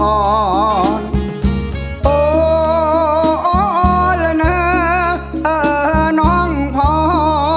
โอ้โอ้โอ้ละเนอะเอ่อน้องพร